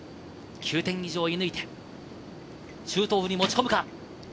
９点以上を射抜いてシュートオフに持ち込むか？